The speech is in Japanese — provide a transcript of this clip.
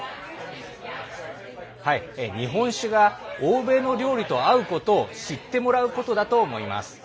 日本酒が欧米の料理と合うことを知ってもらうことだと思います。